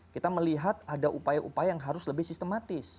kita melihat ada upaya upaya yang harus lebih sistematis